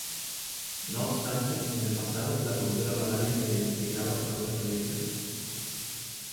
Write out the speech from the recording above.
No obstante, en el pasado la cultura malaya se identificaba con otras religiones.